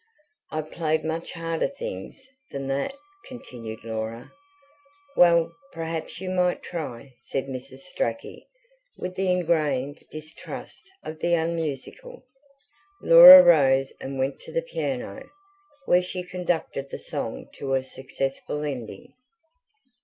"I've played much harder things than that," continued Laura. "Well, perhaps you might try," said Mrs. Strachey, with the ingrained distrust of the unmusical. Laura rose and went to the piano, where she conducted the song to a successful ending.